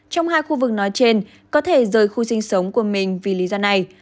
trong hai khu vực nói trên có thể rời khu sinh sống của mình vì lý do này